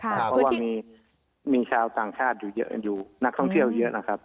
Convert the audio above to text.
เพราะว่ามีชาวต่างชาติอยู่เยอะอยู่นักท่องเที่ยวเยอะนะครับ